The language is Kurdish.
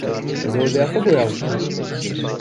Ez ê odeya xwe boyax bikim.